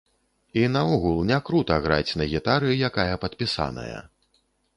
І наогул, не крута граць на гітары, якая падпісаная.